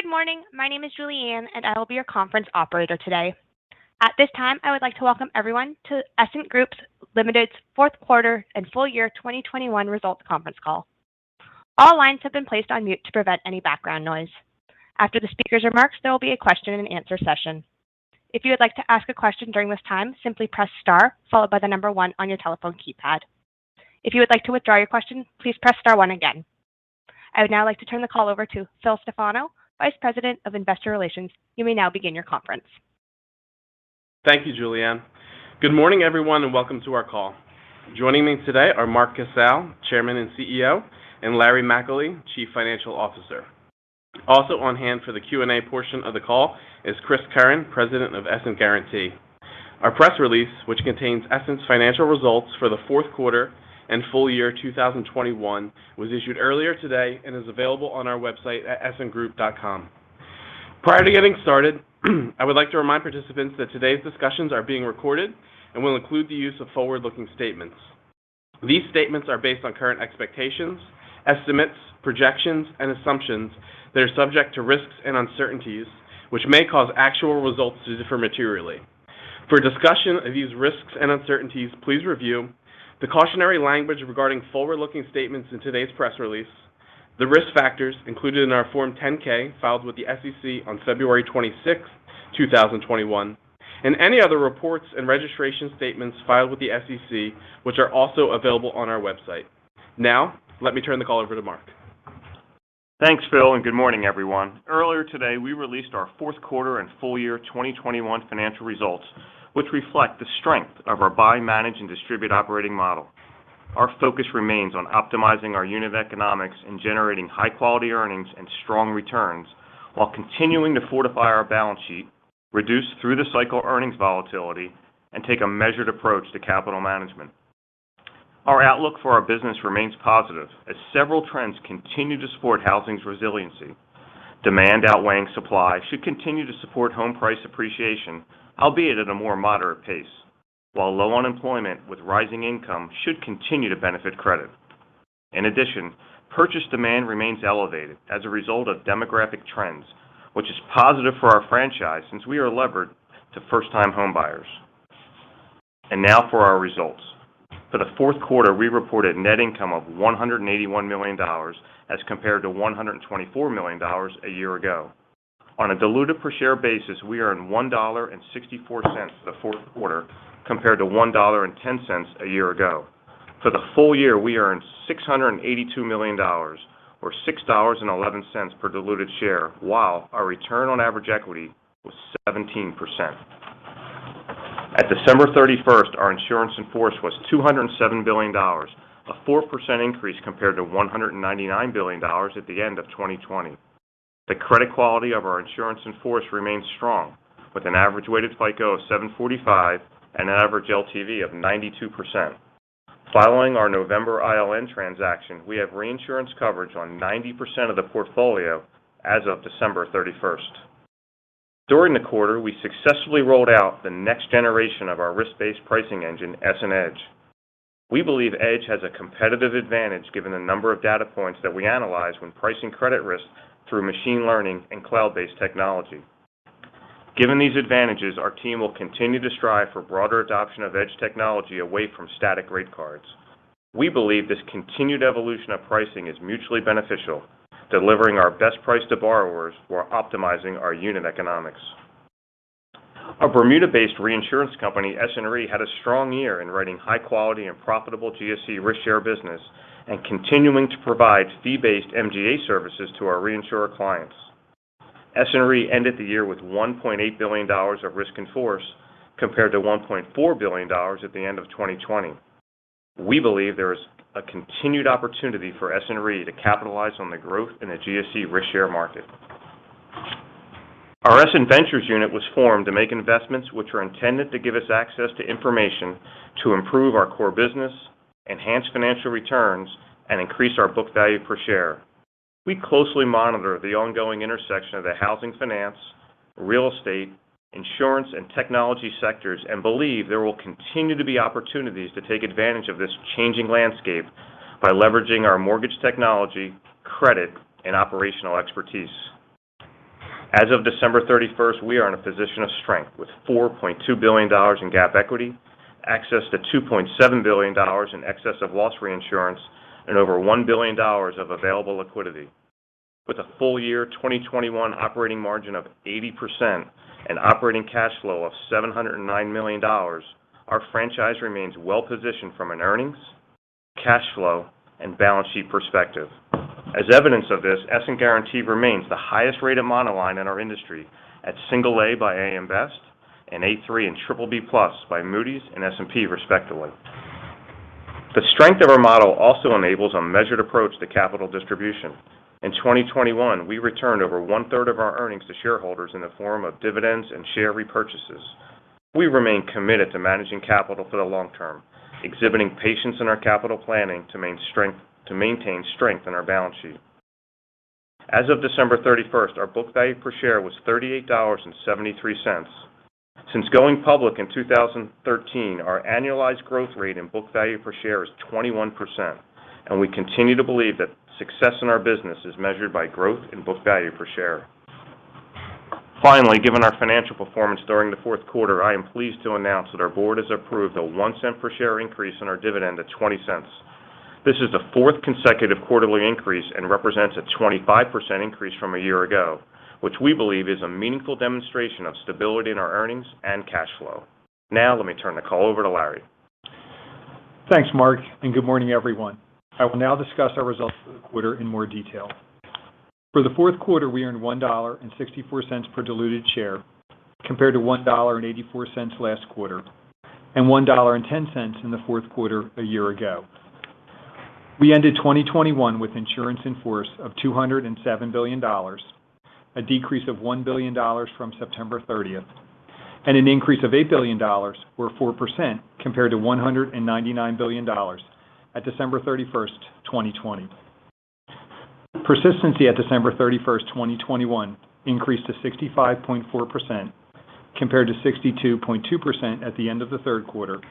Good morning. My name is Julianne, and I will be your conference operator today. At this time, I would like to welcome everyone to Essent Group Ltd.'s Q3 and full year 2021 results conference call. All lines have been placed on mute to prevent any background noise. After the speaker's remarks, there will be a question and answer session. If you would like to ask a question during this time, simply press star followed by the number 1 on your telephone keypad. If you would like to withdraw your question, please press star 1 again. I would now like to turn the call over to Phil Stefano, Vice President of Investor Relations. You may now begin your conference. Thank you, Julianne. Good morning, everyone, and welcome to our call. Joining me today are Mark Casale, Chairman and CEO, and Larry McAlee, Chief Financial Officer. Also on hand for the Q&A portion of the call is Chris Curran, President of Essent Guaranty. Our press release, which contains Essent's financial results for the Q4 and full year 2021, was issued earlier today and is available on our website at essentgroup.com. Prior to getting started, I would like to remind participants that today's discussions are being recorded and will include the use of forward-looking statements. These statements are based on current expectations, estimates, projections, and assumptions that are subject to risks and uncertainties, which may cause actual results to differ materially. For a discussion of these risks and uncertainties, please review the cautionary language regarding forward-looking statements in today's press release, the risk factors included in our Form 10-K filed with the SEC on February twenty-sixth, two thousand twenty-one, and any other reports and registration statements filed with the SEC, which are also available on our website. Now, let me turn the call over to Mark. Thanks, Phil, and good morning, everyone. Earlier today, we released our Q4 and full year 2021 financial results, which reflect the strength of our buy, manage, and distribute operating model. Our focus remains on optimizing our unit economics and generating high-quality earnings and strong returns while continuing to fortify our balance sheet, reduce through the cycle earnings volatility, and take a measured approach to capital management. Our outlook for our business remains positive as several trends continue to support housing's resiliency. Demand outweighing supply should continue to support home price appreciation, albeit at a more moderate pace, while low unemployment with rising income should continue to benefit credit. In addition, purchase demand remains elevated as a result of demographic trends, which is positive for our franchise since we are levered to first-time home buyers. Now for our results. For the Q4, we reported net income of $181 million as compared to $124 million a year ago. On a diluted per share basis, we earned $1.64 for the Q4 compared to $1.10 a year ago. For the full year, we earned $682 million or $6.11 per diluted share, while our return on average equity was 17%. At December 31, our insurance in force was $207 billion, a 4% increase compared to $199 billion at the end of 2020. The credit quality of our insurance in force remains strong with an average weighted FICO of 745 and an average LTV of 92%. Following our November ILN transaction, we have reinsurance coverage on 90% of the portfolio as of December 31. During the quarter, we successfully rolled out the next generation of our risk-based pricing engine, EssentEDGE. We believe Edge has a competitive advantage given the number of data points that we analyze when pricing credit risk through machine learning and cloud-based technology. Given these advantages, our team will continue to strive for broader adoption of Edge technology away from static rate cards. We believe this continued evolution of pricing is mutually beneficial, delivering our best price to borrowers while optimizing our unit economics. Our Bermuda-based reinsurance company, Essent Re, had a strong year in writing high quality and profitable GSE risk share business and continuing to provide fee-based MGA services to our reinsurer clients. Essent Re ended the year with $1.8 billion of risk in force compared to $1.4 billion at the end of 2020. We believe there is a continued opportunity for Essent Re to capitalize on the growth in the GSE risk share market. Our Essent Ventures unit was formed to make investments which are intended to give us access to information to improve our core business, enhance financial returns, and increase our book value per share. We closely monitor the ongoing intersection of the housing finance, real estate, insurance, and technology sectors and believe there will continue to be opportunities to take advantage of this changing landscape by leveraging our mortgage technology, credit, and operational expertise. As of December 31, we are in a position of strength with $4.2 billion in GAAP equity, access to $2.7 billion in excess of loss reinsurance, and over $1 billion of available liquidity. With a full year 2021 operating margin of 80% and operating cash flow of $709 million, our franchise remains well-positioned from an earnings, cash flow, and balance sheet perspective. As evidence of this, Essent Guaranty remains the highest rated monoline in our industry at A by AM Best and A3 and BBB+ by Moody's and S&P respectively. The strength of our model also enables a measured approach to capital distribution. In 2021, we returned over one-third of our earnings to shareholders in the form of dividends and share repurchases. We remain committed to managing capital for the long term, exhibiting patience in our capital planning to maintain strength in our balance sheet. As of December 31, our book value per share was $38.73. Since going public in 2013, our annualized growth rate in book value per share is 21%, and we continue to believe that success in our business is measured by growth in book value per share. Finally, given our financial performance during the Q4, I am pleased to announce that our board has approved a $0.01 per share increase in our dividend to $0.20. This is the fourth consecutive quarterly increase and represents a 25% increase from a year ago, which we believe is a meaningful demonstration of stability in our earnings and cash flow. Now, let me turn the call over to Larry. Thanks, Mark, and good morning, everyone. I will now discuss our results for the quarter in more detail. For the Q4, we earned $1.64 per diluted share compared to $1.84 last quarter, and $1.10 in the Q4 a year ago. We ended 2021 with insurance in force of $207 billion, a decrease of $1 billion from September 30 and an increase of $8 billion or 4% compared to $199 billion at December 31, 2020. Persistency at December 31, 2021 increased to 65.4% compared to 62.2% at the end of the Q3,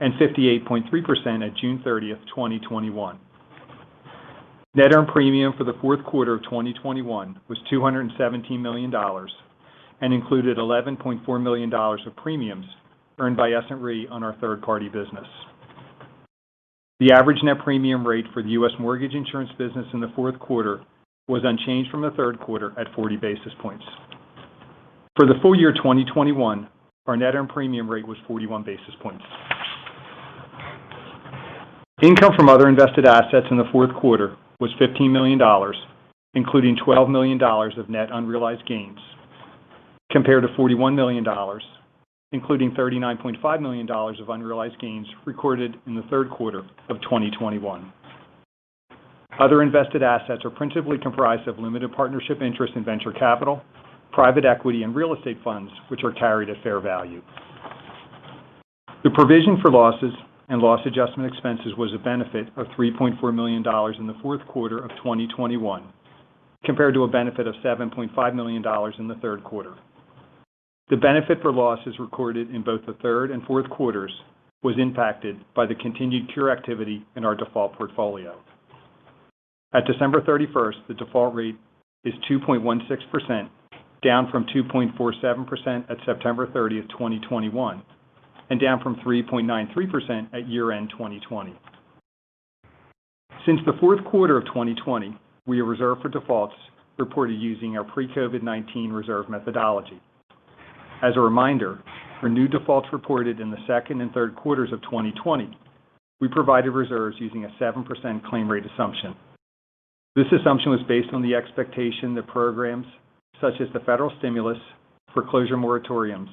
and 58.3% at June 30, 2021. Net earned premium for the Q4 of 2021 was $217 million and included $11.4 million of premiums earned by Essent Re on our third-party business. The average net premium rate for the U.S. mortgage insurance business in the Q4 was unchanged from the Q3 at 40 basis points. For the full year 2021, our net earned premium rate was 41 basis points. Income from other invested assets in the Q4 was $15 million, including $12 million of net unrealized gains, compared to $41 million, including $39.5 million of unrealized gains recorded in the Q3 of 2021. Other invested assets are principally comprised of limited partnership interest in venture capital, private equity, and real estate funds, which are carried at fair value. The provision for losses and loss adjustment expenses was a benefit of $3.4 million in the Q4 of 2021 compared to a benefit of $7.5 million in the Q3. The benefit for losses recorded in both the third and Q4s was impacted by the continued cure activity in our default portfolio. At December 31, the default rate is 2.16%, down from 2.47% at September 30, 2021, and down from 3.93% at year-end 2020. Since the Q4 of 2020, we have reserved for defaults reported using our pre-COVID-19 reserve methodology. As a reminder, for new defaults reported in the second and Q3s of 2020, we provided reserves using a 7% claim rate assumption. This assumption was based on the expectation that programs such as the federal stimulus, foreclosure moratoriums,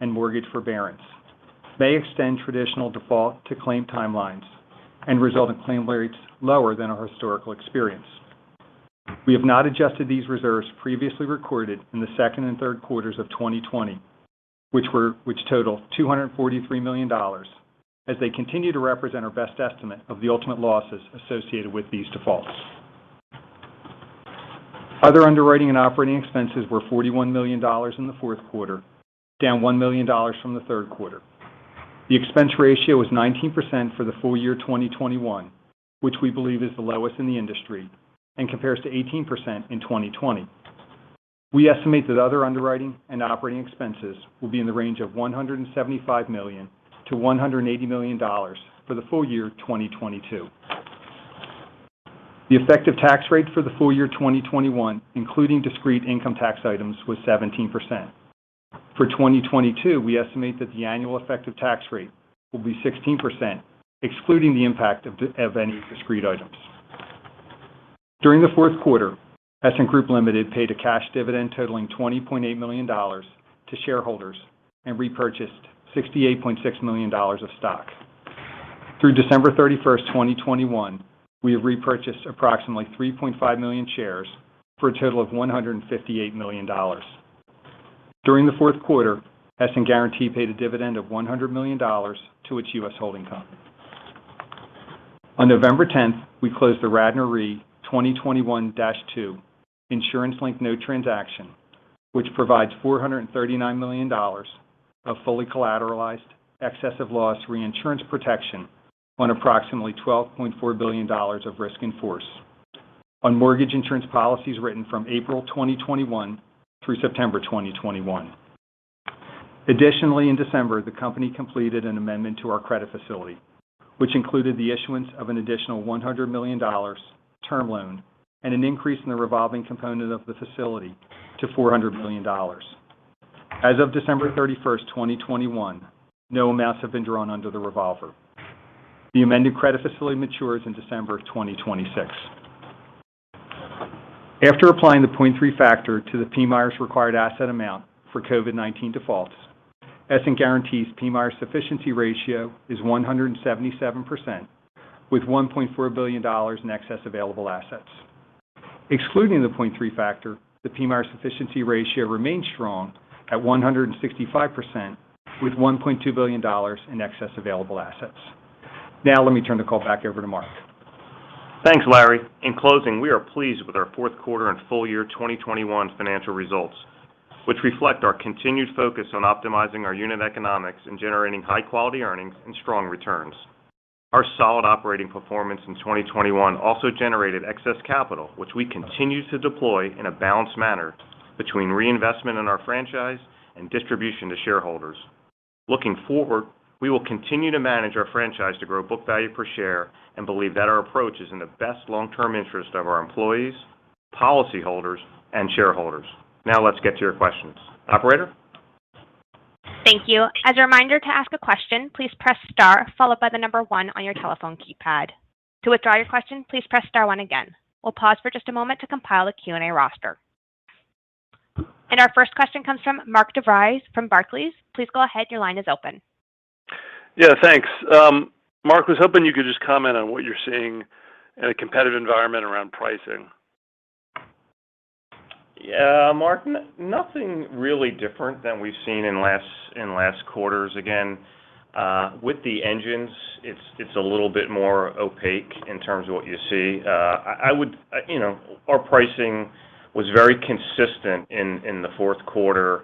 and mortgage forbearance may extend traditional default to claim timelines and result in claim rates lower than our historical experience. We have not adjusted these reserves previously recorded in the second and Q3s of 2020, which total $243 million as they continue to represent our best estimate of the ultimate losses associated with these defaults. Other underwriting and operating expenses were $41 million in the Q4, down $1 million from the Q3. The expense ratio was 19% for the full year 2021, which we believe is the lowest in the industry and compares to 18% in 2020. We estimate that other underwriting and operating expenses will be in the range of $175 million-$180 million for the full year 2022. The effective tax rate for the full year 2021, including discrete income tax items, was 17%. For 2022, we estimate that the annual effective tax rate will be 16%, excluding the impact of any discrete items. During the Q4, Essent Group Ltd. paid a cash dividend totaling $20.8 million to shareholders and repurchased $68.6 million of stock. Through December 31, 2021, we have repurchased approximately 3.5 million shares for a total of $158 million. During the Q4, Essent Guaranty paid a dividend of $100 million to its U.S. holding company. On November 10, we closed the Radnor Re 2021-2 insurance-linked note transaction, which provides $439 million of fully collateralized excess of loss reinsurance protection on approximately $12.4 billion of risk in force on mortgage insurance policies written from April 2021 through September 2021. Additionally, in December, the company completed an amendment to our credit facility, which included the issuance of an additional $100 million term loan and an increase in the revolving component of the facility to $400 million. As of December 31, 2021, no amounts have been drawn under the revolver. The amended credit facility matures in December 2026. After applying the 0.3 factor to the PMIERs required asset amount for COVID-19 defaults, Essent Guaranty's PMIER sufficiency ratio is 177%, with $1.4 billion in excess available assets. Excluding the 0.3 factor, the PMIER sufficiency ratio remains strong at 165% with $1.2 billion in excess available assets. Now, let me turn the call back over to Mark. Thanks, Larry. In closing, we are pleased with our Q4 and full year 2021 financial results, which reflect our continued focus on optimizing our unit economics and generating high-quality earnings and strong returns. Our solid operating performance in 2021 also generated excess capital, which we continue to deploy in a balanced manner between reinvestment in our franchise and distribution to shareholders. Looking forward, we will continue to manage our franchise to grow book value per share and believe that our approach is in the best long-term interest of our employees, policyholders, and shareholders. Now let's get to your questions. Operator? Thank you. As a reminder, to ask a question, please press star followed by the number one on your telephone keypad. To withdraw your question, please press star one again. We'll pause for just a moment to compile a Q&A roster. Our first question comes from Mark DeVries from Deutsche Bank. Please go ahead. Your line is open. Yeah, thanks. Mark was hoping you could just comment on what you're seeing in a competitive environment around pricing. Yeah, Mark, nothing really different than we've seen in last quarters. Again, with the engines, it's a little bit more opaque in terms of what you see. I would. You know, our pricing was very consistent in the Q4.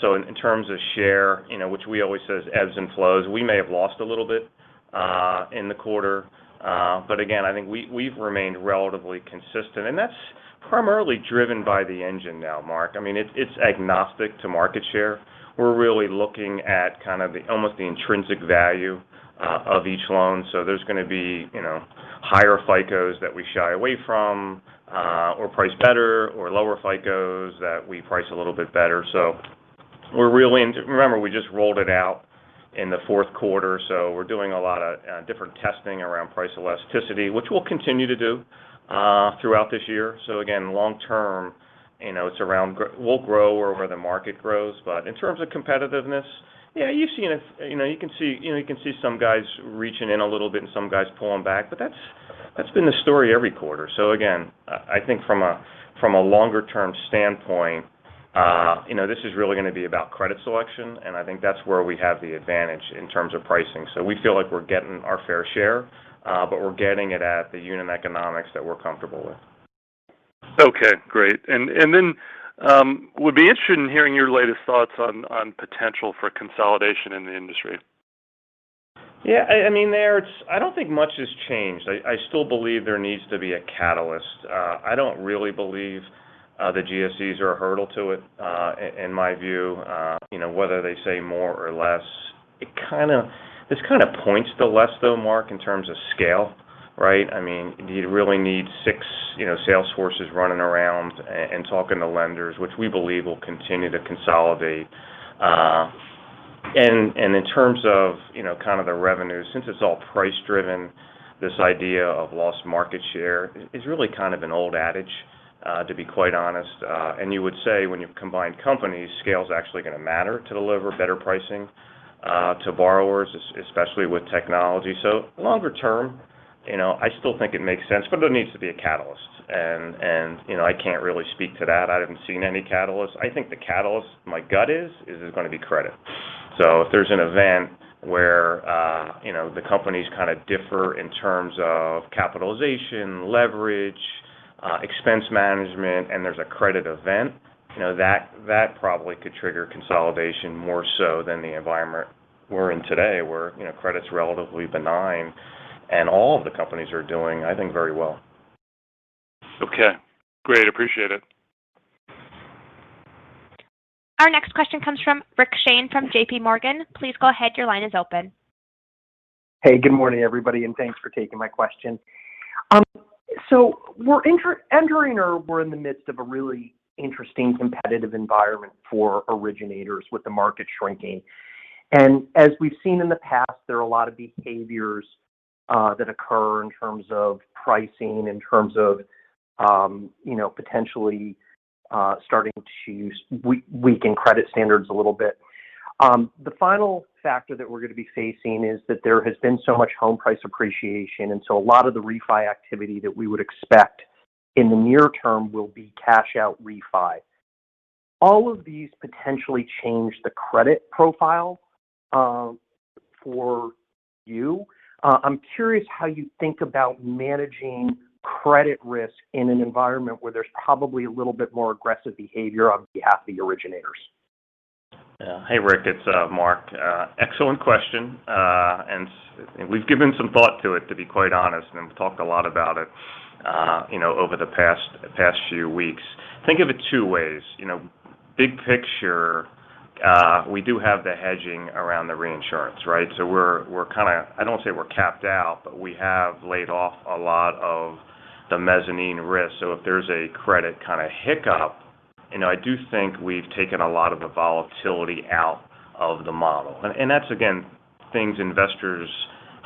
So in terms of share which we always say is ebbs and flows. We may have lost a little bit in the quarter, but again, I think we've remained relatively consistent. And that's primarily driven by the engine now, Mark. I mean, it's agnostic to market share. We're really looking at kind of almost the intrinsic value of each loan. So there's going to be higher FICOs that we shy away from, or price better or lower FICOs that we price a little bit better. Remember, we just rolled it out in the Q4, so we're doing a lot of different testing around price elasticity, which we'll continue to do throughout this year. Again, long term it's around we'll grow where the market grows. In terms of competitiveness, yeah, you've seen you know, you can see you can see some guys reaching in a little bit and some guys pulling back, but that's been the story every quarter. Again, I think from a longer-term standpoint this is really going to be about credit selection, and I think that's where we have the advantage in terms of pricing. We feel like we're getting our fair share, but we're getting it at the unit economics that we're comfortable with. Okay, great. I would be interested in hearing your latest thoughts on potential for consolidation in the industry. Yeah, I mean, I don't think much has changed. I still believe there needs to be a catalyst. I don't really believe the GSEs are a hurdle to it. In my view whether they say more or less, this kind of points to less, though, Mark, in terms of scale, right? I mean, do you really need six sales forces running around and talking to lenders, which we believe will continue to consolidate. In terms of kind of the revenue, since it's all price-driven, this idea of lost market share is really kind of an old adage, to be quite honest. You would say when you combine companies, scale is actually going to matter to deliver better pricing to borrowers, especially with technology. Longer term I still think it makes sense, but there needs to be a catalyst. You know, I can't really speak to that. I haven't seen any catalyst. I think the catalyst, my gut is there's going to be credit. If there's an event where the companies kind of differ in terms of capitalization, leverage, expense management, and there's a credit event that probably could trigger consolidation more so than the environment we're in today, where credit's relatively benign and all of the companies are doing, I think, very well. Okay, great. Appreciate it. Our next question comes from Rick Shane from JP Morgan. Please go ahead. Your line is open. Hey, good morning, everybody, and thanks for taking my question. We're entering or we're in the midst of a really interesting competitive environment for originators with the market shrinking. As we've seen in the past, there are a lot of behaviors that occur in terms of pricing, in terms of potentially starting to weaken credit standards a little bit. The final factor that we're going to be facing is that there has been so much home price appreciation, and so a lot of the refi activity that we would expect in the near term will be cash out refi. All of these potentially change the credit profile for you. I'm curious how you think about managing credit risk in an environment where there's probably a little bit more aggressive behavior on behalf of the originators. Yeah. Hey, Rick, it's Mark. Excellent question. We've given some thought to it, to be quite honest, and talked a lot about it over the past few weeks. Think of it two ways. You know, big picture, we do have the hedging around the reinsurance, right? So we're kind of, I don't want to say we're capped out, but we have laid off a lot of the mezzanine risk. So if there's a credit kind of hiccup I do think we've taken a lot of the volatility out of the model. That's again, things investors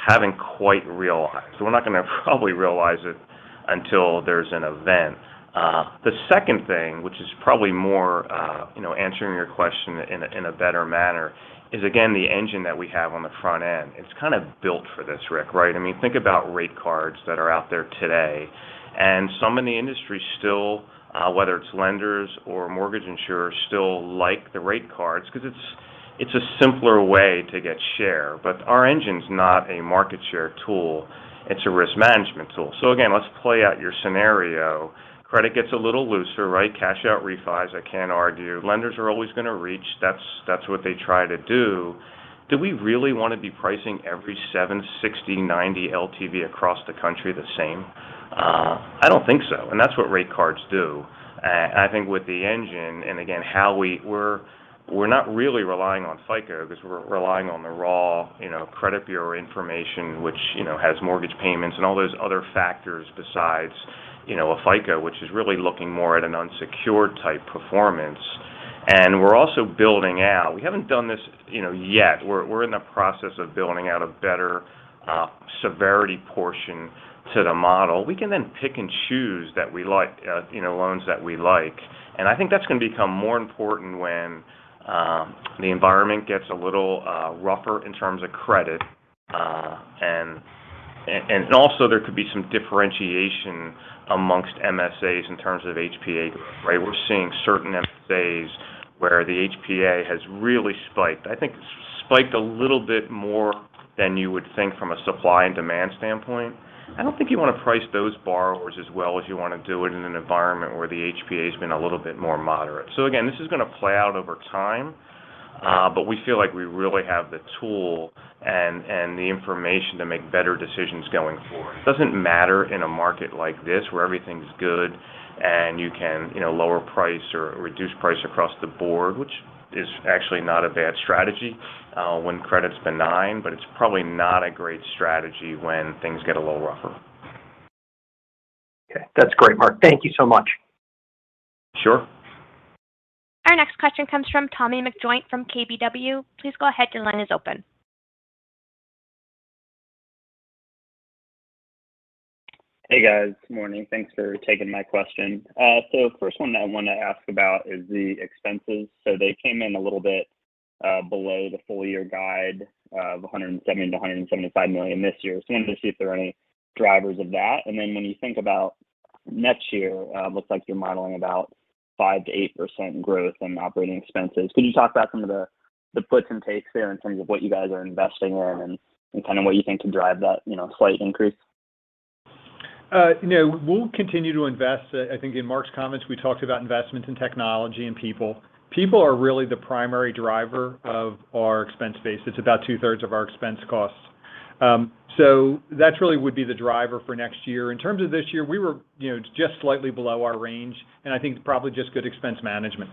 haven't quite realized. We're not going to probably realize it until there's an event. The second thing, which is probably more answering your question in a better manner is, again, the engine that we have on the front end. It's kind of built for this, Rick, right? I mean, think about rate cards that are out there today. Some in the industry still, whether it's lenders or mortgage insurers, still like the rate cards because it's a simpler way to get share, but our engine's not a market share tool, it's a risk management tool. Again, let's play out your scenario. Credit gets a little looser, right? Cash out refis, I can't argue. Lenders are always gonna reach. That's what they try to do. Do we really wanna be pricing every 760, 90 LTV across the country the same? I don't think so. That's what rate cards do. I think with the engine, and again, how we're not really relying on FICO 'cause we're relying on the raw credit bureau information, which has mortgage payments and all those other factors besides a FICO, which is really looking more at an unsecured type performance. We're also building out. We haven't done this yet. We're in the process of building out a better severity portion to the model. We can then pick and choose that we like loans that we like. I think that's gonna become more important when the environment gets a little rougher in terms of credit. Also there could be some differentiation amongst MSAs in terms of HPA, right? We're seeing certain MSAs where the HPA has really spiked. I think it spiked a little bit more than you would think from a supply and demand standpoint. I don't think you wanna price those borrowers as well as you wanna do it in an environment where the HPA has been a little bit more moderate. Again, this is gonna play out over time, but we feel like we really have the tool and the information to make better decisions going forward. It doesn't matter in a market like this where everything's good and you can lower price or reduce price across the board, which is actually not a bad strategy, when credit's benign, but it's probably not a great strategy when things get a little rougher. Okay. That's great, Mark. Thank you so much. Sure. Our next question comes from from KBW. Please go ahead, your line is open. Hey, guys. Good morning. Thanks for taking my question. First one that I wanna ask about is the expenses. They came in a little bit below the full year guide of $170 million-$175 million this year. I wanted to see if there are any drivers of that. Then when you think about next year, looks like you're modeling about 5%-8% growth in operating expenses. Could you talk about some of the puts and takes there in terms of what you guys are investing in and kinda what you think can drive that slight increase? You know, we'll continue to invest. I think in Mark's comments, we talked about investment in technology and people. People are really the primary driver of our expense base. It's about two-thirds of our expense costs. So that really would be the driver for next year. In terms of this year, we were just slightly below our range, and I think it's probably just good expense management.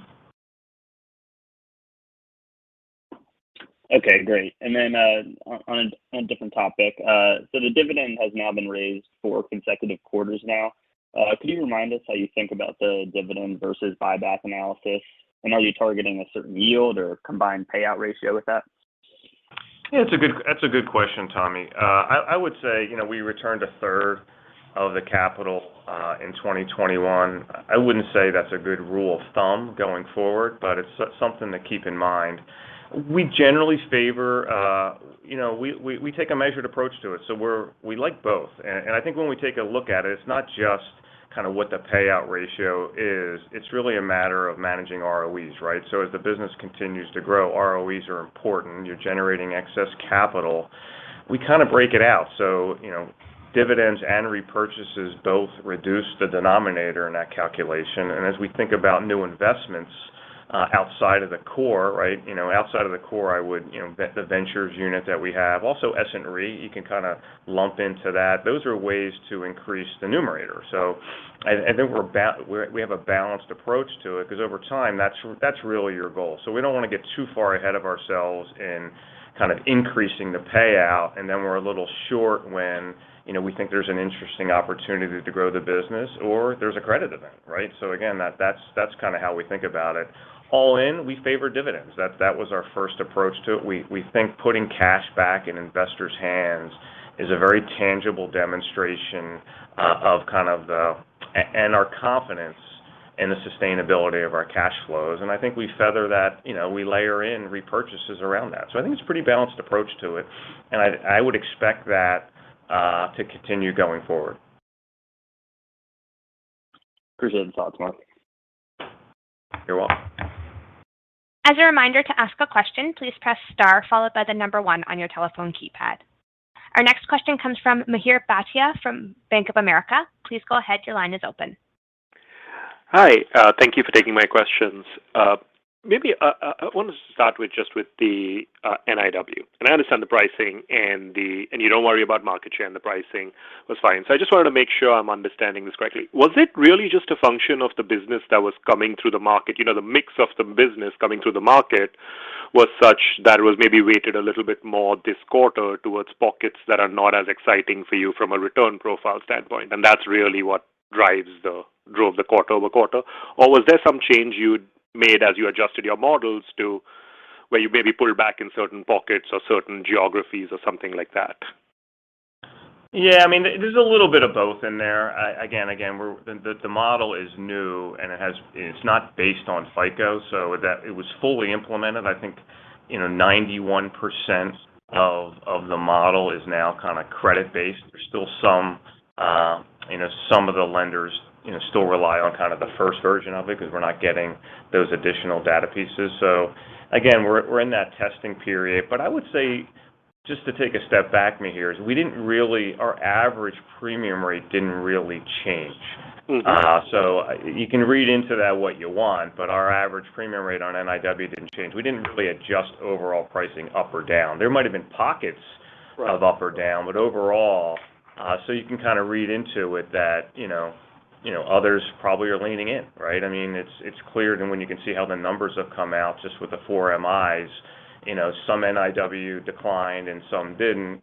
Okay, great. On a different topic. The dividend has now been raised for consecutive quarters now. Could you remind us how you think about the dividend versus buyback analysis? Are you targeting a certain yield or combined payout ratio with that? Yeah, it's a good question, Tommy. I would say we returned a third of the capital in 2021. I wouldn't say that's a good rule of thumb going forward, but it's something to keep in mind. We generally favor we take a measured approach to it, so we like both. I think when we take a look at it's not just kinda what the payout ratio is, it's really a matter of managing ROEs, right? As the business continues to grow, ROEs are important. You're generating excess capital. We kinda break it out. You know, dividends and repurchases both reduce the denominator in that calculation. As we think about new investments, outside of the core, right outside of the core, I would the ventures unit that we have, also Essent Re, you can kinda lump into that. Those are ways to increase the numerator. And then we have a balanced approach to it, 'cause over time, that's really your goal. We don't wanna get too far ahead of ourselves in kind of increasing the payout and then we're a little short when we think there's an interesting opportunity to grow the business or there's a credit event, right? Again, that's kinda how we think about it. All in, we favor dividends. That was our first approach to it. We think putting cash back in investors' hands is a very tangible demonstration of kind of the. Our confidence in the sustainability of our cash flows. I think we feather that we layer in repurchases around that. I think it's a pretty balanced approach to it, and I would expect that to continue going forward. appreciate the thoughts, Mark. You're welcome. As a reminder to ask a question, please press star followed by the number 1 on your telephone keypad. Our next question comes from Mihir Bhatia from Bank of America. Please go ahead, your line is open. Hi, thank you for taking my questions. Maybe I want to start with just the NIW. I understand the pricing and you don't worry about market share, and the pricing was fine. I just wanted to make sure I'm understanding this correctly. Was it really just a function of the business that was coming through the market? You know, the mix of the business coming through the market was such that it was maybe weighted a little bit more this quarter towards pockets that are not as exciting for you from a return profile standpoint, and that's really what drove the quarter-over-quarter. Or was there some change you'd made as you adjusted your models to where you maybe pulled back in certain pockets or certain geographies or something like that? Yeah. I mean, there's a little bit of both in there. The model is new and it's not based on FICO, so it's fully implemented. I think 91% of the model is now kinda credit based. There's still some of the lenders still rely on kind of the first version of it because we're not getting those additional data pieces. Again, we're in that testing period. I would say just to take a step back, Mihir, our average premium rate didn't really change. Mm-hmm. You can read into that what you want. Our average premium rate on NIW didn't change. We didn't really adjust overall pricing up or down. There might've been pockets- Right of up or down, but overall, so you can kind of read into it that others probably are leaning in, right? I mean, it's clear then when you can see how the numbers have come out just with the four MIs. You know, some NIW declined and some didn't.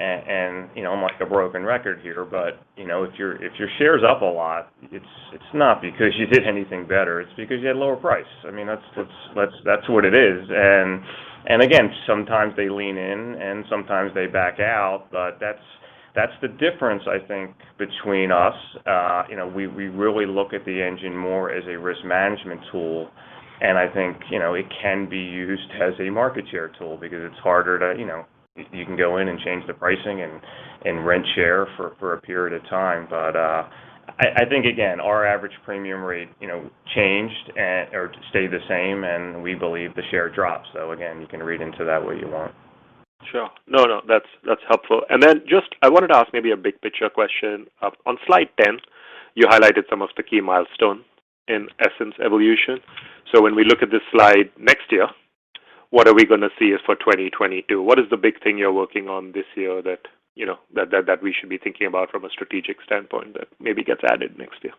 You know, I'm like a broken record here, but you know, if your share is up a lot, it's not because you did anything better, it's because you had a lower price. I mean, that's what it is. And again, sometimes they lean in, and sometimes they back out. But that's the difference I think between us. You know, we really look at the engine more as a risk management tool. I think it can be used as a market share tool because it's harder to you can go in and change the pricing and gain share for a period of time. I think again, our average premium rate or stayed the same, and we believe the share dropped. Again, you can read into that what you want. Sure. No, no, that's helpful. Then just I wanted to ask maybe a big picture question. On slide 10, you highlighted some of the key milestones in Essent evolution. When we look at this slide next year, what are we gonna see as for 2022? What is the big thing you're working on this year that that we should be thinking about from a strategic standpoint that maybe gets added next year?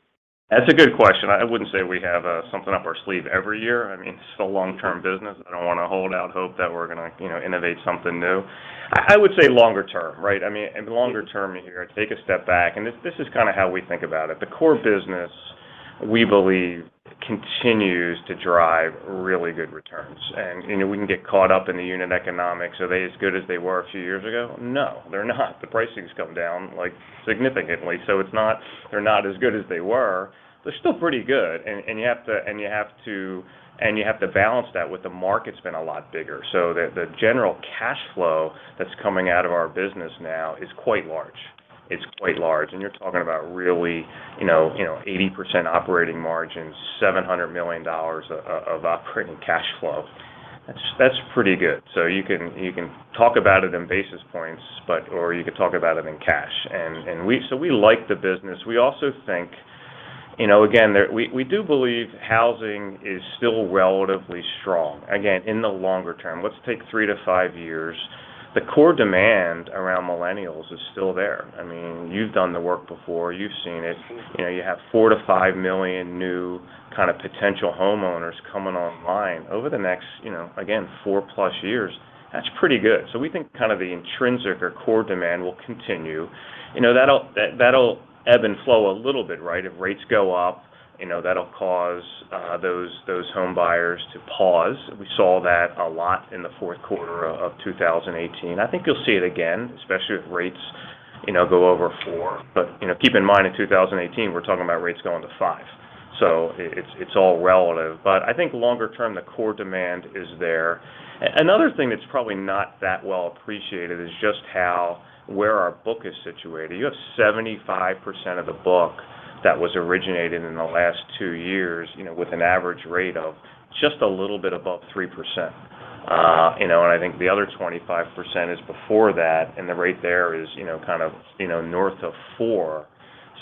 That's a good question. I wouldn't say we have something up our sleeve every year. I mean, it's still long-term business. I don't wanna hold out hope that we're gonna innovate something new. I would say longer term, right? I mean, in the longer term here, take a step back, and this is kind of how we think about it. The core business, we believe continues to drive really good returns. You know, we can get caught up in the unit economics. Are they as good as they were a few years ago? No, they're not. The pricing's come down, like, significantly. So they're not as good as they were. They're still pretty good. You have to balance that with the market's been a lot bigger. The general cash flow that's coming out of our business now is quite large. It's quite large. You're talking about really 80% operating margin, $700 million of operating cash flow. That's pretty good. You can talk about it in basis points, but or you could talk about it in cash. We like the business. We also think, again, we do believe housing is still relatively strong. Again, in the longer term, let's take 3-5 years, the core demand around millennials is still there. I mean, you've done the work before. You've seen it. You know, you have 4-5 million new kind of potential homeowners coming online over the next again, 4+ years. That's pretty good. We think kind of the intrinsic or core demand will continue. You know, that'll ebb and flow a little bit, right? If rates go up that'll cause those home buyers to pause. We saw that a lot in the Q4 of 2018. I think you'll see it again, especially if rates go over four. You know, keep in mind, in 2018, we're talking about rates going to five. It's all relative. I think longer term, the core demand is there. Another thing that's probably not that well appreciated is just how our book is situated. You have 75% of the book that was originated in the last two years with an average rate of just a little bit above 3%. You know, I think the other 25% is before that, and the rate there is kind of north of 4%.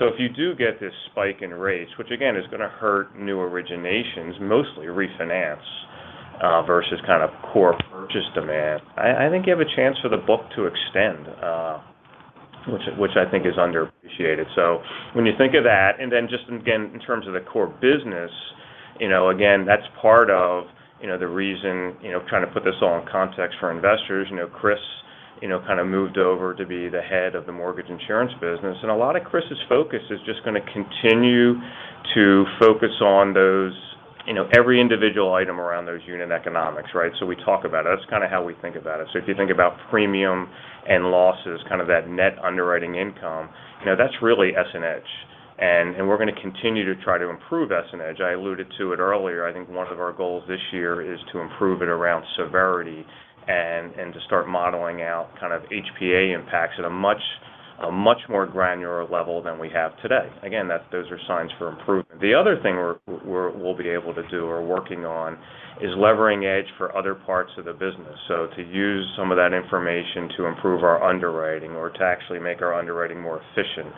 If you do get this spike in rates, which again is gonna hurt new originations, mostly refinance, versus kind of core purchase demand, I think you have a chance for the book to extend, which I think is underappreciated. When you think of that, then just again, in terms of the core business again, that's part of the reason. You know, trying to put this all in context for investors. You know, chris kind of moved over to be the head of the mortgage insurance business. A lot of Chris' focus is just gonna continue to focus on those every individual item around those unit economics, right? We talk about it. That's kind of how we think about it. If you think about premium and losses, kind of that net underwriting income that's really EssentEDGE. And we're gonna continue to try to improve EssentEDGE. I alluded to it earlier. I think one of our goals this year is to improve it around severity and to start modeling out kind of HPA impacts at a much more granular level than we have today. Again, those are signs for improvement. The other thing we're working on is levering EssentEDGE for other parts of the business. To use some of that information to improve our underwriting or to actually make our underwriting more efficient.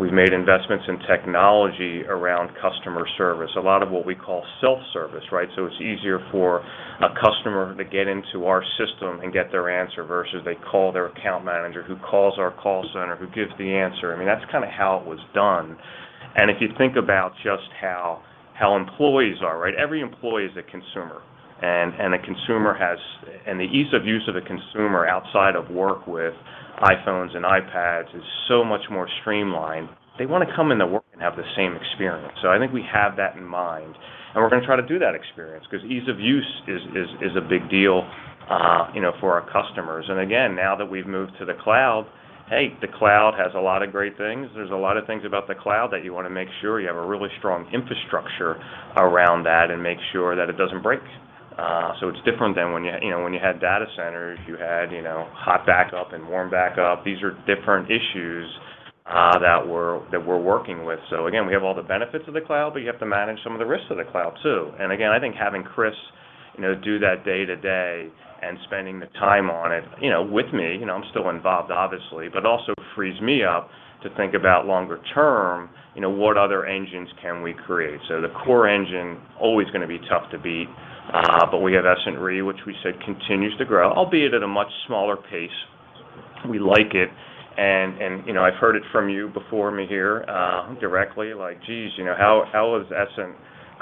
We've made investments in technology around customer service, a lot of what we call self-service, right? It's easier for a customer to get into our system and get their answer versus they call their account manager, who calls our call center, who gives the answer. I mean, that's kind of how it was done. If you think about just how employees are, right? Every employee is a consumer. The ease of use of a consumer outside of work with iPhones and iPads is so much more streamlined. They wanna come into work and have the same experience. I think we have that in mind, and we're gonna try to do that experience because ease of use is a big deal for our customers. Again, now that we've moved to the cloud, hey, the cloud has a lot of great things. There's a lot of things about the cloud that you wanna make sure you have a really strong infrastructure around that and make sure that it doesn't break. So it's different than when you had data centers, you had hot backup and warm backup. These are different issues that we're working with. Again, we have all the benefits of the cloud, but you have to manage some of the risks of the cloud too. Again, I think having chris do that day-to-day and spending the time on it with me. You know, I'm still involved obviously, but also frees me up to think about longer term what other engines can we create. The core engine always gonna be tough to beat, but we have Essent Re, which we said continues to grow, albeit at a much smaller pace. We like it and I've heard it from you before, Mihir, directly. Like, geez how is Essent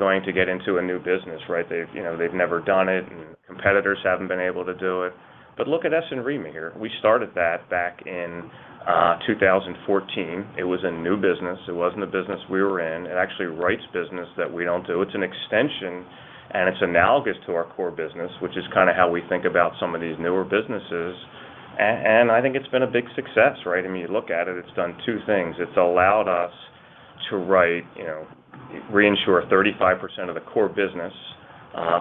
going to get into a new business, right? they've they've never done it, and competitors haven't been able to do it. Look at Essent Re, Mihir. We started that back in 2014. It was a new business. It wasn't a business we were in and actually writes business that we don't do. It's an extension, and it's analogous to our core business, which is kind of how we think about some of these newer businesses and I think it's been a big success, right? I mean, you look at it's done two things. It's allowed us to write reinsure 35% of the core business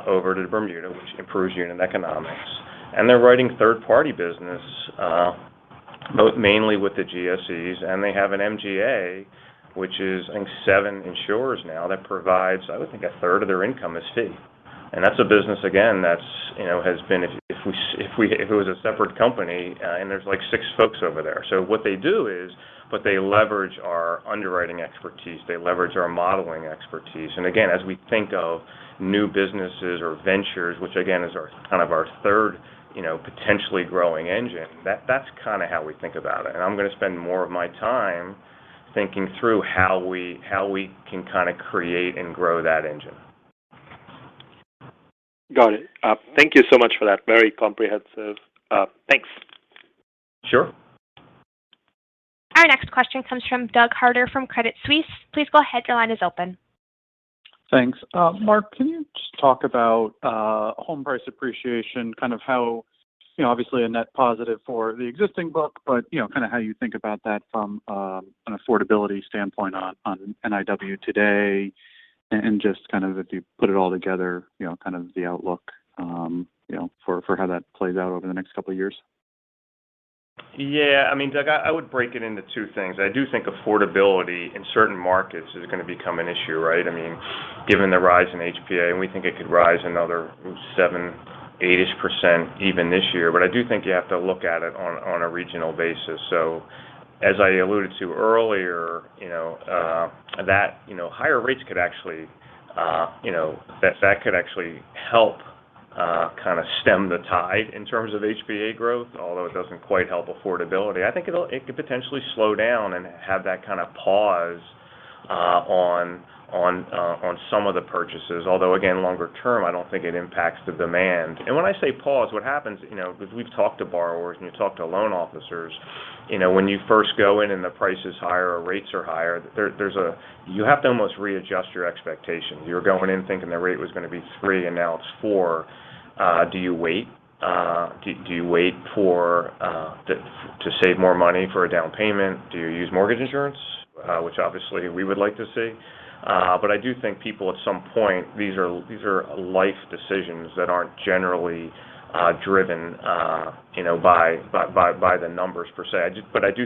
over to Bermuda, which improves unit economics. They're writing third-party business both mainly with the GSEs, and they have an MGA, which is, I think, seven insurers now that provides, I would think a third of their income is fee. That's a business again, that's has been if it was a separate company, and there's like six folks over there. What they do is, but they leverage our underwriting expertise, they leverage our modeling expertise. Again, as we think of new businesses or ventures, which again is our kind of our third potentially growing engine, that's kinda how we think about it. I'm gonna spend more of my time thinking through how we can kinda create and grow that engine. Got it. Thank you so much for that. Very comprehensive. Thanks. Sure. Our next question comes from Douglas Harter from Credit Suisse. Please go ahead. Your line is open. Thanks. Mark, can you just talk about home price appreciation, kind of how obviously a net positive for the existing book, but you know, kind of how you think about that from an affordability standpoint on NIW today, and just kind of if you put it all together kind of the outlook for how that plays out over the next couple of years? Yeah. I mean, Doug, I would break it into two things. I do think affordability in certain markets is gonna become an issue, right? I mean, given the rise in HPA, and we think it could rise another 7, 8-ish% even this year. I do think you have to look at it on a regional basis. As I alluded to earlier higher rates could actually help kinda stem the tide in terms of HPA growth, although it doesn't quite help affordability. I think it could potentially slow down and have that kind of pause on some of the purchases. Although again, longer term, I don't think it impacts the demand. When I say pause, what happens 'cause we've talked to borrowers and you talk to loan officers when you first go in and the price is higher or rates are higher, you have to almost readjust your expectation. You're going in thinking the rate was gonna be 3 and now it's 4. Do you wait to save more money for a down payment? Do you use mortgage insurance? Which obviously we would like to see. I do think people at some point, these are life decisions that aren't generally driven by the numbers per se. I do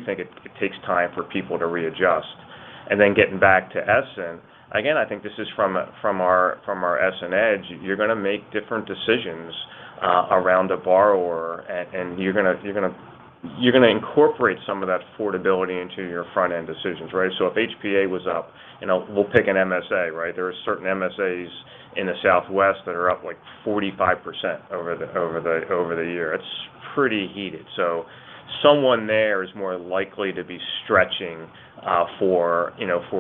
think it takes time for people to readjust. Getting back to Essent, again, I think this is from our EssentEDGE. You're gonna make different decisions around a borrower and you're gonna incorporate some of that affordability into your front-end decisions, right? If HPA was up we'll pick an MSA, right? There are certain MSAs in the Southwest that are up like 45% over the year. It's pretty heated. Someone there is more likely to be stretching for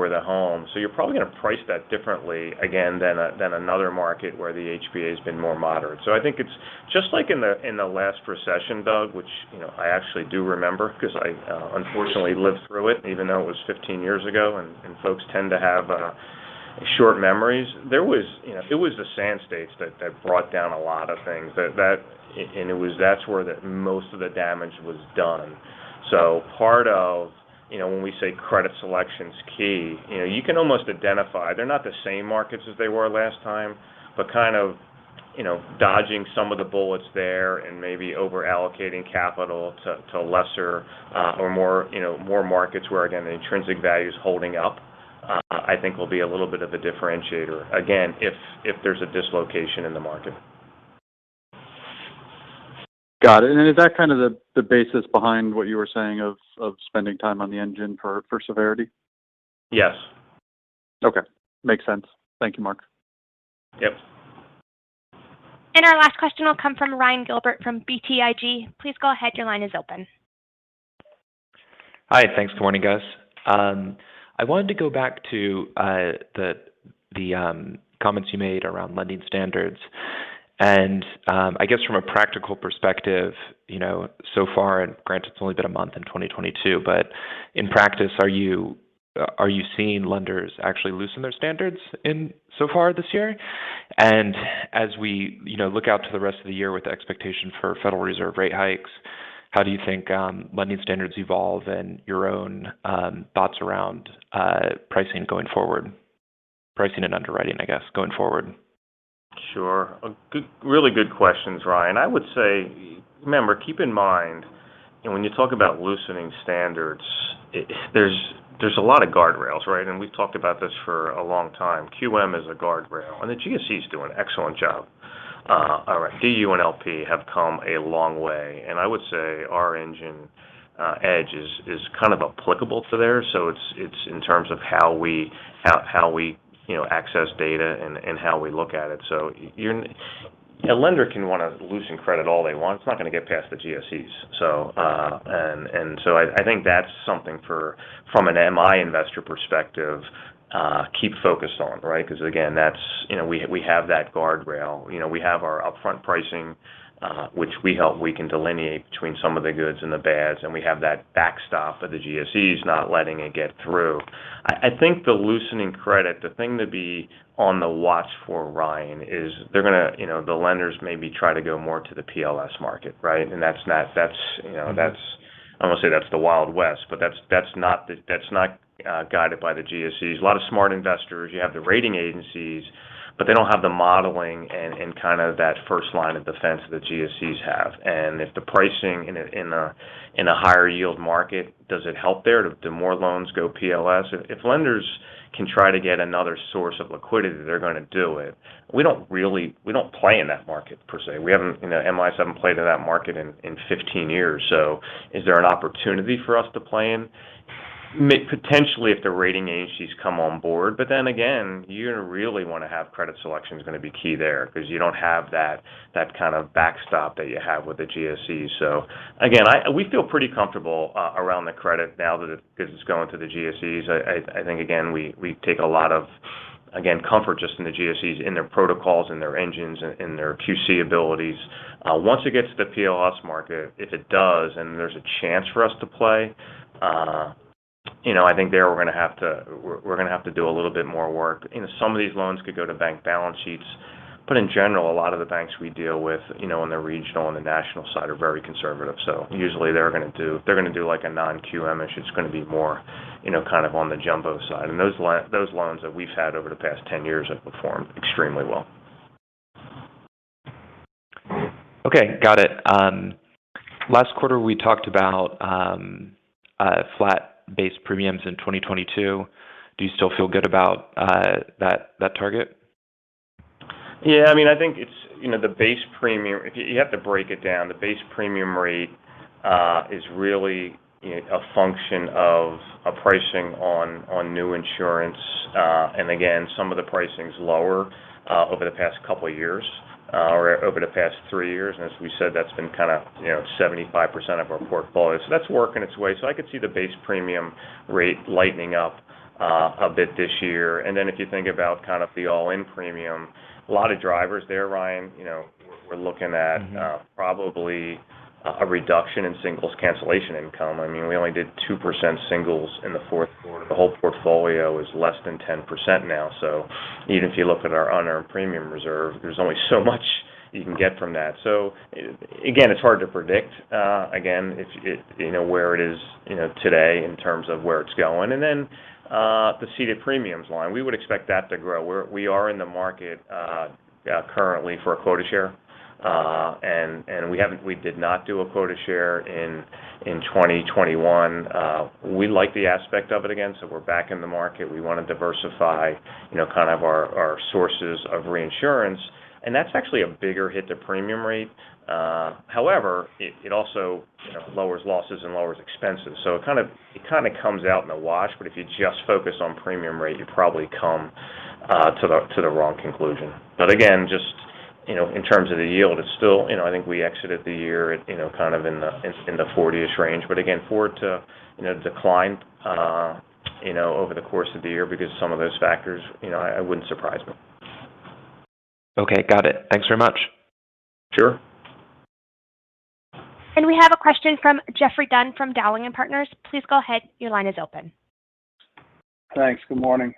the home. You're probably gonna price that differently again than another market where the HPA has been more moderate. I think it's just like in the last recession, Doug, which you know I actually do remember 'cause I unfortunately lived through it even though it was 15 years ago and folks tend to have short memories. It was the sand states that brought down a lot of things. That's where the most of the damage was done. Part of when we say credit selection's key you can almost identify they're not the same markets as they were last time, but kind of dodging some of the bullets there and maybe over-allocating capital to lesser, or more more markets where again, the intrinsic value is holding up, I think will be a little bit of a differentiator again, if there's a dislocation in the market. Got it. Is that kind of the basis behind what you were saying of spending time on the engine for severity? Yes. Okay. Makes sense. Thank you, Mark. Yep. Our last question will come from Ryan Gilbert from BTIG. Please go ahead. Your line is open. Hi. Thanks. Good morning, guys. I wanted to go back to the comments you made around lending standards and I guess from a practical perspective so far, and granted it's only been a month in 2022, but in practice, are you seeing lenders actually loosen their standards in so far this year? As we look out to the rest of the year with the expectation for Federal Reserve rate hikes. How do you think lending standards evolve and your own thoughts around pricing going forward? Pricing and underwriting, I guess, going forward. Sure. A really good question, Ryan. I would say, remember, keep in mind when you talk about loosening standards, there's a lot of guardrails, right? We've talked about this for a long time. QM is a guardrail, and the GSE is doing an excellent job. Or DU/LP have come a long way, and I would say our EssentEDGE is kind of applicable to there. So it's in terms of how we access data and how we look at it. A lender can wanna loosen credit all they want. It's not gonna get past the GSEs. So, and so I think that's something for, from an MI investor perspective, keep focused on, right? 'Cause again, that's we have that guardrail. You know, we have our upfront pricing, which we help. We can delineate between some of the goods and the bads, and we have that backstop of the GSEs not letting it get through. I think the loosening credit, the thing to be on the watch for, Ryan, is they're gonna the lenders maybe try to go more to the PLS market, right? That's not. I'm gonna say that's the Wild West, but that's not guided by the GSEs. A lot of smart investors, you have the rating agencies, but they don't have the modeling and kind of that first line of defense that GSEs have. If the pricing in a higher yield market, does it help there? Do more loans go PLS? If lenders can try to get another source of liquidity, they're gonna do it. We don't really play in that market per se. We haven't played in that market in 15 years. Is there an opportunity for us to play in? Potentially if the rating agencies come on board, but then again, you really wanna have, credit selection is gonna be key there 'cause you don't have that kind of backstop that you have with the GSEs. Again, we feel pretty comfortable around the credit now that 'cause it's going to the GSEs. I think again, we take a lot of comfort just in the GSEs, in their protocols, in their engines, in their QC abilities. Once it gets to the PLS market, if it does, and there's a chance for us to play I think there we're gonna have to do a little bit more work. You know, some of these loans could go to bank balance sheets, but in general, a lot of the banks we deal with on the regional and the national side are very conservative. So usually they're gonna do like a non-QM issue. It's gonna be more kind of on the jumbo side. Those loans that we've had over the past 10 years have performed extremely well. Okay, got it. Last quarter, we talked about flat base premiums in 2022. Do you still feel good about that target? Yeah, I mean, I think it's the base premium. You have to break it down. The base premium rate is really a function of a pricing on new insurance. Again, some of the pricing's lower over the past couple of years or over the past three years. As we said, that's been kinda 75% of our portfolio. That's working its way. I could see the base premium rate lightening up a bit this year. Then if you think about kind of the all-in premium, a lot of drivers there, Ryan. You know, we're looking at probably a reduction in singles cancellation income. I mean, we only did 2% singles in the Q4. The whole portfolio is less than 10% now. Even if you look at our unearned premium reserve, there's only so much you can get from that. It's hard to predict again where it is today in terms of where it's going. The ceded premiums line, we would expect that to grow. We are in the market currently for a quota share. We did not do a quota share in 2021. We like the aspect of it again, so we're back in the market. We wanna diversify kind of our sources of reinsurance, and that's actually a bigger hit to premium rate. However, it also lowers losses and lowers expenses. It kind of comes out in the wash, but if you just focus on premium rate, you probably come to the wrong conclusion. Again, just in terms of the yield, it's still, you know. I think we exited the year at kind of in the 40-ish% range. Again, for it to decline over the course of the year because some of those factors it wouldn't surprise me. Okay, got it. Thanks very much. Sure. We have a question from Geoffrey Dunn from Dowling & Partners. Please go ahead. Your line is open. Thanks. Good morning.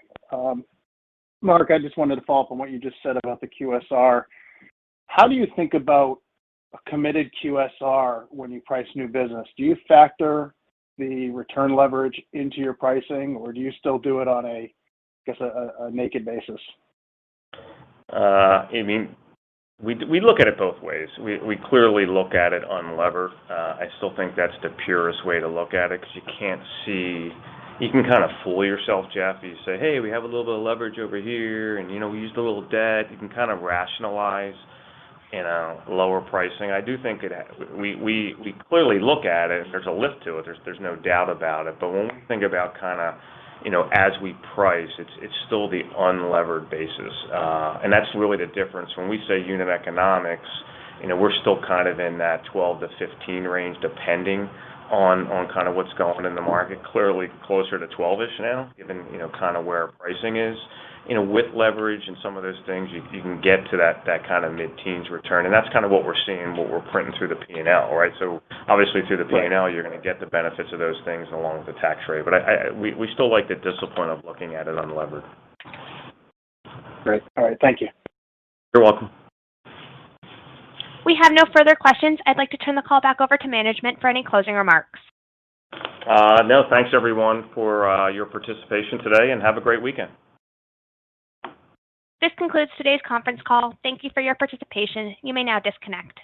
Mark, I just wanted to follow up on what you just said about the QSR. How do you think about a committed QSR when you price new business? Do you factor the return leverage into your pricing, or do you still do it on a, I guess, a naked basis? I mean, we look at it both ways. We clearly look at it unlevered. I still think that's the purest way to look at it 'cause you can't see. You can kind of fool yourself, Jeff. You say, "Hey, we have a little bit of leverage over here, and we used a little debt." You can kind of rationalize lower pricing. I do think it. We clearly look at it. There's a lift to it. There's no doubt about it. When we think about kind of as we price, it's still the unlevered basis. That's really the difference. When we say unit economics we're still kind of in that 12-15 range, depending on kind of what's going in the market. Clearly closer to 12-ish now, given kind of where pricing is. You know, with leverage and some of those things, you can get to that kind of mid-teens return, and that's kind of what we're seeing, what we're printing through the P&L, right? Obviously through the P&L, you're gonna get the benefits of those things along with the tax rate. We still like the discipline of looking at it unlevered. Great. All right. Thank you. You're welcome. We have no further questions. I'd like to turn the call back over to management for any closing remarks. No. Thanks, everyone, for your participation today, and have a great weekend. This concludes today's conference call. Thank you for your participation. You may now disconnect.